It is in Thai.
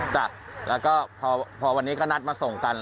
จ้ะแล้วก็พอวันนี้ก็นัดมาส่งกัน